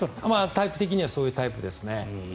タイプ的にはそういうタイプですね。